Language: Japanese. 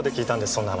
そんな話。